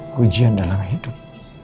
pujian dalam hidup